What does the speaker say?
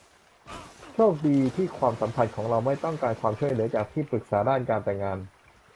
โชคดีที่ความสัมพันธ์ของเราไม่ต้องการความช่วยเหลือจากที่ปรึกษาด้านการแต่งงาน